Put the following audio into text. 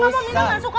minah gak suka